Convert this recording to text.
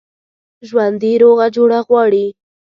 ژوندي روغه جوړه غواړي